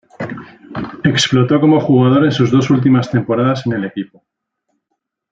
Explotó como jugador en sus dos últimas temporadas en el equipo.